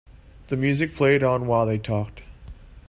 The music played on while they talked.